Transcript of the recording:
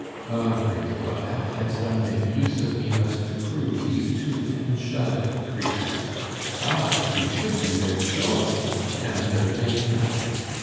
Ah, great God, how canst Thou make use of me thus to prove these two angelic creatures! I, who should be their joy, am their bane!"